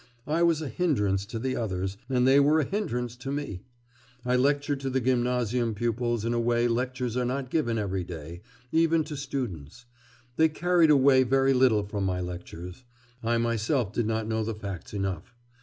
I was a hindrance to the others, and they were a hindrance to me. I lectured to the gymnasium pupils in a way lectures are not given every day, even to students; they carried away very little from my lectures.... I myself did not know the facts enough.